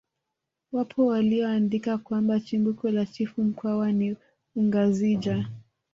Wapo walioandika kwamba chimbuko la chifu mkwawa ni ungazija